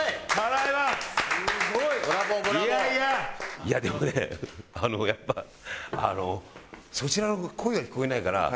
いやでもねやっぱあのそちらの声が聞こえないから不安ね。